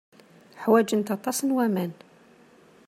Ḥwajent aṭas n waman.